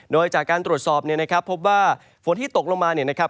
โดยจากการตรวจสอบพบว่าฝนที่ตกลงมา